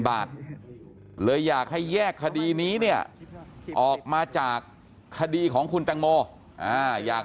บาทเลยอยากให้แยกคดีนี้เนี่ยออกมาจากคดีของคุณแตงโมอยาก